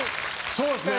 そうですね。